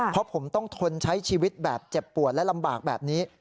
เพราะผมต้องทนใช้ชีวิตแบบเจ็บปวดและลำบากแบบนี้